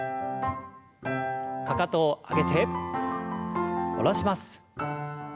かかとを上げて下ろします。